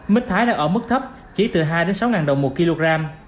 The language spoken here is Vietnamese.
mít thái đang ở mức thấp chỉ từ hai sáu đồng một kg